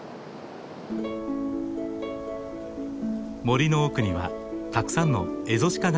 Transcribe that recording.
森の奥にはたくさんのエゾシカがいました。